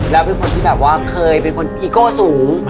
แล้วเป็นคนที่แบบว่าเคยเป็นคนอีโก้สูง